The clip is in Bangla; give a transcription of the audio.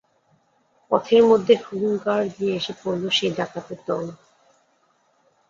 পথের মধ্যে হুঙ্কার দিয়ে এসে পড়ল সেই ডাকাতের দল।